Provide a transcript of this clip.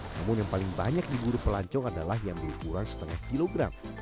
namun yang paling banyak diburu pelancong adalah yang berukuran setengah kilogram